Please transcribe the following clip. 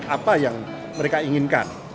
apa yang mereka inginkan